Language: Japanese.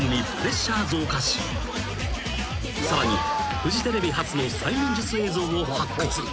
［さらにフジテレビ初の催眠術映像を発掘］